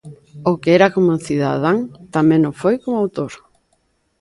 O que era como cidadán tamén o foi como autor.